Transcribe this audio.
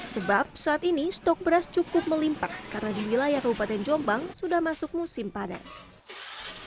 sebab saat ini stok beras cukup melimpah karena di wilayah kabupaten jombang sudah masuk musim panen